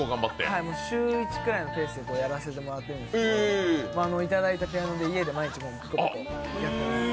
週１くらいのペースでやらせてもらってるんですけどいただいたピアノで家で毎日やってます。